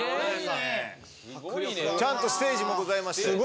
ちゃんとステージもございまして。